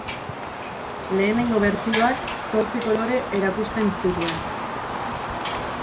Lehenengo bertsioak zortzi kolore erakusten zituen.